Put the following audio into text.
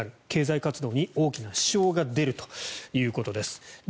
経済活動に大きな支障が出るということです。